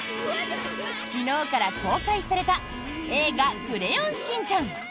昨日から公開された「映画クレヨンしんちゃん」。